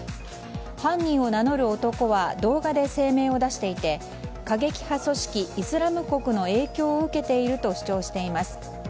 犯人を名乗る男は動画で声明を出していて過激派組織イスラム国の影響を受けていると主張しています。